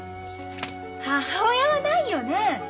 母親はないよね！